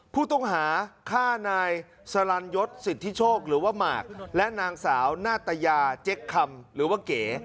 ผู้ต้องหาฆ่านายสลันยศสิทธิโชคหรือว่าหมากและนางสาวนาตยาเจ๊กคำหรือว่าเก๋